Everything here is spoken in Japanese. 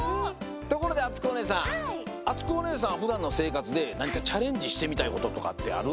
ところであつこおねえさんあつこおねえさんはふだんのせいかつでなにかチャレンジしてみたいこととかってある？